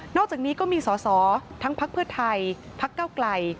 อกจากนี้ก็มีสอสอทั้งพักเพื่อไทยพักเก้าไกล